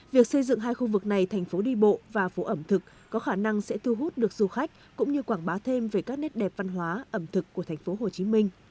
việc xây dựng hai khu vực này thành phố đi bộ và phố ẩm thực có khả năng sẽ thu hút được du khách cũng như quảng bá thêm về các nét đẹp văn hóa ẩm thực của tp hcm